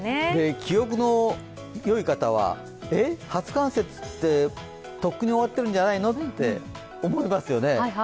記憶のよい方はえっ、初冠雪ってとっくに終わってるんじゃないのって思いますよね。